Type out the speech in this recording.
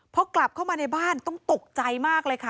พอกลับเข้ามาในบ้านต้องตกใจมากเลยค่ะ